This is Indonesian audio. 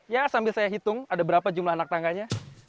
ya sambil saya hitung ada berapa jumlah anak tangganya